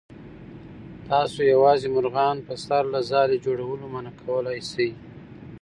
تاسو یوازې مرغان په سر له ځالې جوړولو منع کولی شئ.